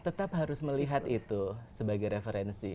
tetap harus melihat itu sebagai referensi